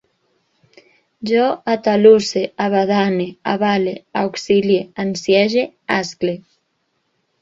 Jo atalusse, abadane, avale, auxilie, ansiege, ascle